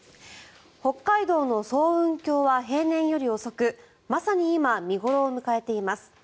北海道の層雲峡は平年より遅くまさに今、見頃を迎えています。